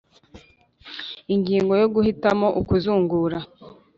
Ingingo y Guhitamo ukuzungura